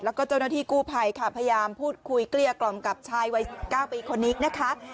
แล้วก็เจ้าหน้าที่กู้ภัยค่ะพยายามพูดคุยเกลี้ยกล่อมกับชายวัย๙ปีคนนี้นะคะ